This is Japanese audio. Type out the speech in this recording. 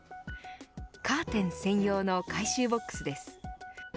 カーテン専用の回収ボックスです。